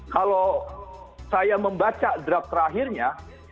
kalau saya membaca draft terakhirnya